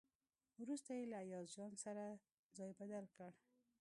وروسته یې له ایاز جان سره ځای بدل کړ.